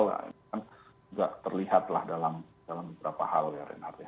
itu kan juga terlihatlah dalam beberapa hal ya renard